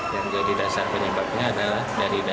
yang jadi dasar penyebabnya adalah dari